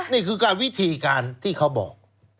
นี่คือการวิธีการที่เขาบอก